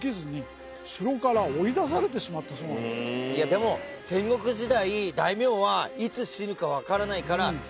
でも戦国時代。